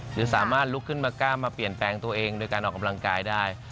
หรือสามารถลุกขึ้นมากล้ามมาเปลี่ยนแปลงตัวเองโดยการออกกำลังกายได้